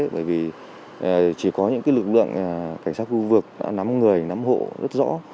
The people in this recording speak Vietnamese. bởi vì chỉ có những lực lượng cảnh sát khu vực đã nắm người nắm hộ rất rõ